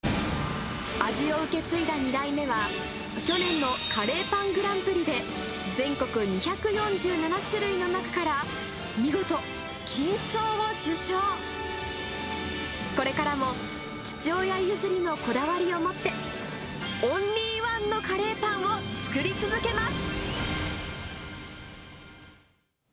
味を受け継いだ２代目は、去年のカレーパングランプリで、全国２４７種類の中から見事、これからも父親譲りのこだわりを持って、オンリーワンのカレーパンを作り続けます。